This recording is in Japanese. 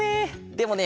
でもね